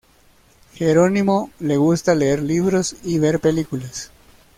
Jerónimo le gusta leer libros y ver películas.